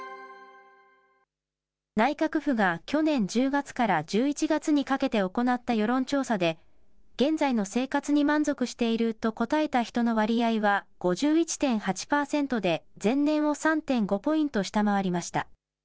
内閣府が去年１０月から１１月にかけて行った世論調査で、現在の生活に満足していると答えた人の割合は５１．８％で、前年を３．５ポイント下回りました。